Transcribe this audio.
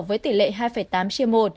với tỷ lệ hai tám chia một